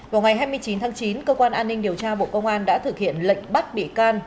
vào ngày hai mươi chín tháng chín cơ quan an ninh điều tra bộ công an đã thực hiện lệnh bắt bị can